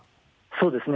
そうですね。